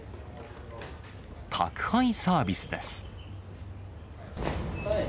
宅配サービスです。